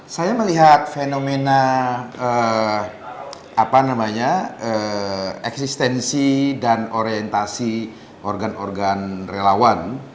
saya melihat fenomena eksistensi dan orientasi organ organ relawan